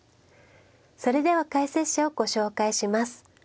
それでは解説者をご紹介します。